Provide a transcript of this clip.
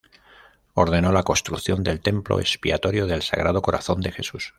Ordenó la construcción del Templo Expiatorio del Sagrado Corazón de Jesús.